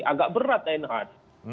agak berat dan hard